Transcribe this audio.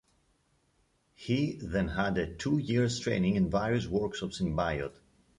He then had a two-years training in various workshops in Biot.